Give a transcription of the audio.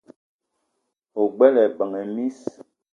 O gbele ebeng e miss :